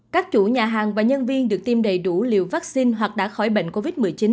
các chủ nhà hàng và nhân viên được tiêm đầy đủ liều vaccine hoặc đã khỏi bệnh covid một mươi chín